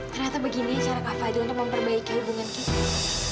ternyata begini cara kak fajro untuk memperbaiki hubungan kita